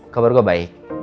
kabar gue baik